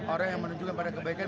orang yang menunjukkan pada kebaikan